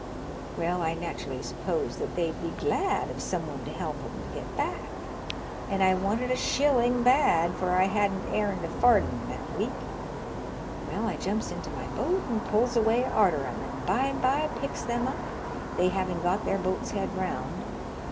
* Well, I nat'rally supposed that they'd be glad of some one to help 'em to get back, and I wanted a shilling bad, for I hadn't aimed a farden that week. Well, I jumps into my boat, and pulls away arter them, and by 'em by, picks them up, they having got their boat's head round.